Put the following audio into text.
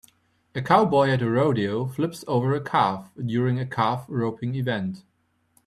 A cowboy at a rodeo flips over a calf during a calf roping event.